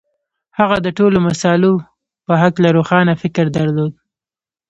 هغه د ټولو مسألو په هکله روښانه فکر درلود.